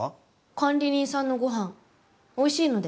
管理人さんのご飯おいしいので。